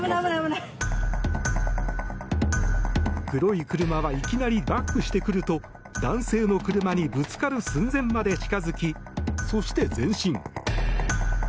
黒い車はいきなりバックしてくると男性の車にぶつかる寸前まで近付きそして、前進。